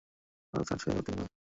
তাদের চার ছেলে ও তিন মেয়ে।